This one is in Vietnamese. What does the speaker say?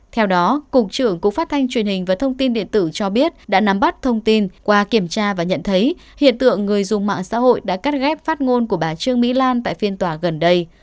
theo đó cục trưởng cục phát thanh truyền hình và thông tin điện tử cho biết đã nắm bắt thông tin qua kiểm tra và nhận thấy hiện tượng người dùng mạng xã hội đã cắt ghép phát ngôn của bà trương mỹ lan tại phiên tòa gần đây